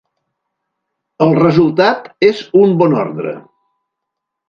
El resultat és un bon ordre.